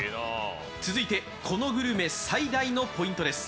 続いてこのグルメ最大のポイントです。